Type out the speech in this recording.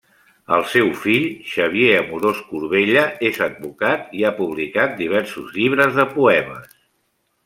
El seu fill, Xavier Amorós Corbella, és advocat, i ha publicat diversos llibres de poemes.